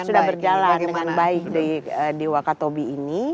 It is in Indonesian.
sudah berjalan dengan baik di wakatobi ini